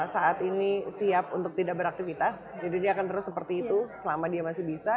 saat ini siap untuk tidak beraktivitas jadi dia akan terus seperti itu selama dia masih bisa